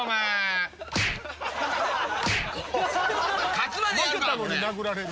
勝つまでやるからこれ。